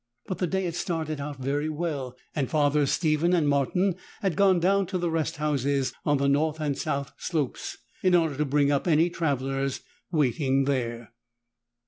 But the day had started out very well, and Fathers Stephen and Martin had gone down to the rest houses on the north and south slopes, in order to bring up any travelers waiting there.